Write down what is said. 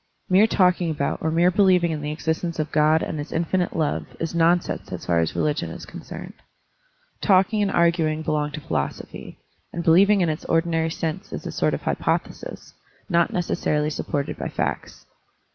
Mere talking about or mere believing in the existence of God and his infinite love is nonsense as far as religicm is concerned. Talking and arguing belong to philosophy, and believing in its ordinary sense is a sort of hypothesis, not neces sarily supported by facts.